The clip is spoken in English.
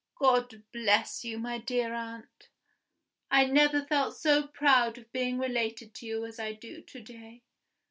God bless you, my dear aunt! I never felt so proud of being related to you as I do to day.